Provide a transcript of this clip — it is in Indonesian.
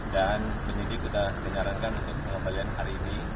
dan penyidik kita dinyarankan untuk pengembalian hari ini